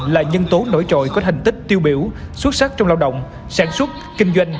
là nhân tố nổi trội có thành tích tiêu biểu xuất sắc trong lao động sản xuất kinh doanh